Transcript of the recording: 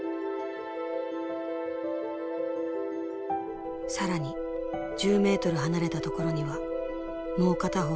更に１０メートル離れた所にはもう片方の翼が沈んでいた。